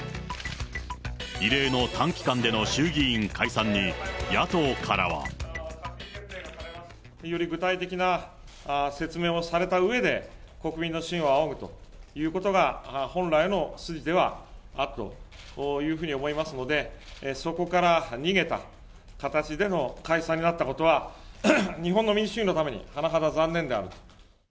異例の短期間での衆議院解散に、野党からは。より具体的な説明をされたうえで、国民の信を仰ぐということが、本来の筋ではあるというふうに思いますので、そこから逃げた形での解散になったことは、日本の民主主義のために甚だ残念である。